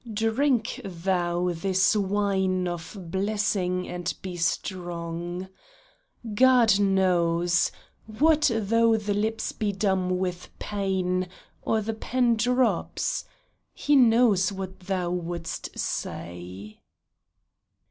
Drink thou this wine of blessing and be strong ! God knows ! What though the lips be dumb with pain, Or the pen drops ? He knows what thou wouldst say.